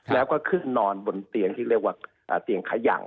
แล้วก็ขึ้นนอนบนเตียงที่เรียกว่าเตียงขยั่ง